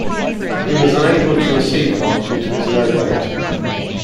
He was unable to receive one due to his low weight.